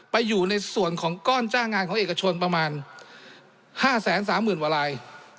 ไปอยู่ในส่วนของก้อนจ้างงานของเอกชนประมาณ๕๓๐๐๐กว่าลาย